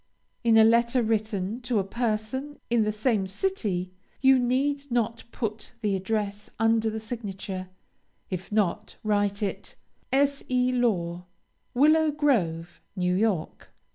In a letter written to a person in the same city, you need not put the address under the signature; if not, write it S. E. LAW, WILLOW GROVE, NEW YORK.